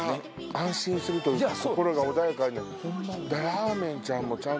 安心するというか心が穏やかになる。